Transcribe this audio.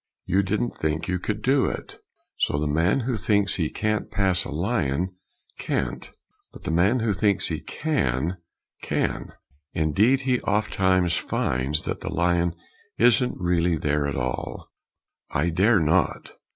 "You didn't think you could do it." So the man who thinks he can't pass a lion, can't. But the man who thinks he can, can. Indeed he oftentimes finds that the lion isn't really there at all. I dare not!